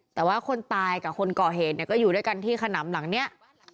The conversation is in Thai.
แต่ว่าคนตายกับคนก่อเหตุเนี่ยก็อยู่ด้วยกันที่ขนำหลังเนี่ย